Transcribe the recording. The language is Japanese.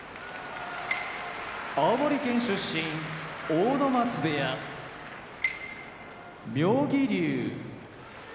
青森県出身阿武松部屋妙義龍